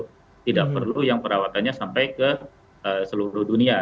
tidak perlu yang perawatannya sampai ke seluruh dunia